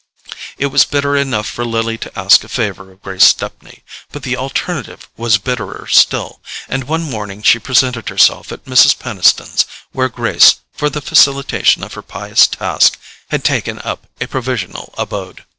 It was bitter enough for Lily to ask a favour of Grace Stepney, but the alternative was bitterer still; and one morning she presented herself at Mrs. Peniston's, where Grace, for the facilitation of her pious task, had taken up a provisional abode.